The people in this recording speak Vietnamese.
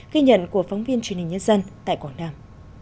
ghi nhận của phóng viên truyền hình nhân dân tại quảng nam